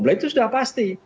lah itu sudah pasti